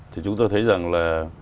thì chúng tôi thấy rằng là